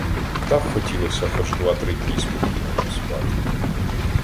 Так хотілося хоч два-три дні спокійно поспати.